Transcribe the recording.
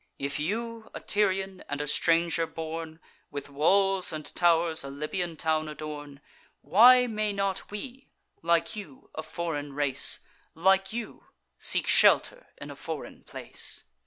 If you, a Tyrian, and a stranger born, With walls and tow'rs a Libyan town adorn, Why may not we, like you, a foreign race, Like you, seek shelter in a foreign place?